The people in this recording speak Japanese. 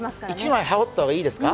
１枚羽織った方がいいですか？